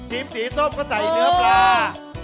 สีส้มก็ใส่เนื้อปลา